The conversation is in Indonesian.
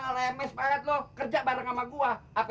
lemes banget lo kerja bareng ama gua